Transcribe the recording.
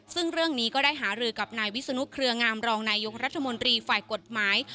ซึ่งเรื่องนี้ก็ได้หารือกับนายวิศนุเครืองามรองนายกรัฐมนตรีฝ่ายกฎหมาย